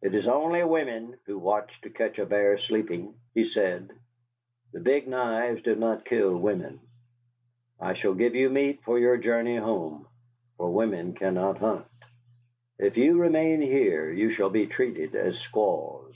"It is only women who watch to catch a bear sleeping," he said. "The Big Knives do not kill women. I shall give you meat for your journey home, for women cannot hunt. If you remain here, you shall be treated as squaws.